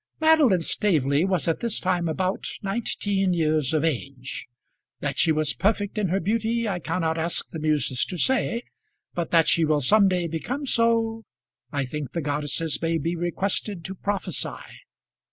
Madeline Staveley was at this time about nineteen years of age. That she was perfect in her beauty I cannot ask the muses to say, but that she will some day become so, I think the goddesses may be requested to prophesy.